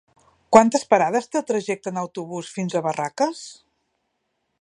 Quantes parades té el trajecte en autobús fins a Barraques?